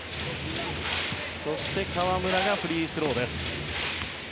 そして河村がフリースローです。